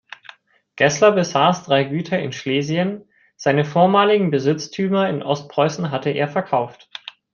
Geßler besaß drei Güter in Schlesien, seine vormaligen Besitztümer in Ostpreußen hatte er verkauft.